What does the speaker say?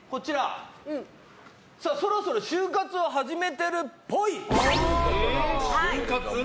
そろそろ終活を始めてるっぽい。